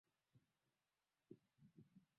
Delta ya Okavango ni delta kubwa kabisa duniani